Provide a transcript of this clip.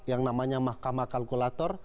yang namanya mahkamah kalkulator